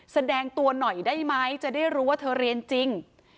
แสดงตัวหน่อยได้ไหมจะได้รู้ว่าเธอเรียนจริง